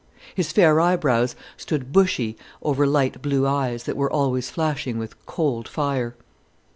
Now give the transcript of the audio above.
His fair eyebrows stood bushy over light blue eyes that were always flashing with cold fire.